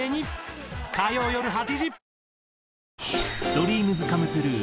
ＤＲＥＡＭＳＣＯＭＥＴＲＵＥ